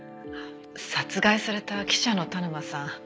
殺害された記者の田沼さん